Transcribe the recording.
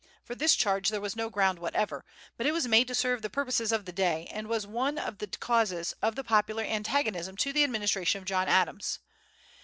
For this charge there was no ground whatever; but it was made to serve the purposes of the day, and was one of the causes of the popular antagonism to the administration of John Adams.